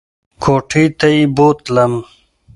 کوټې ته یې بوتلم !